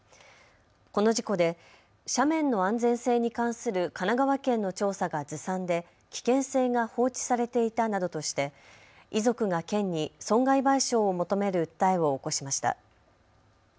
この事故で斜面の安全性に関する神奈川県の調査がずさんで危険性が放置されていたなどとして遺族が県に損害賠償を求める訴えを起こしました。